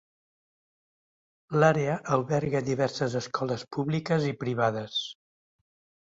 L'àrea alberga diverses escoles públiques i privades.